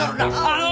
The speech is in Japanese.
あの！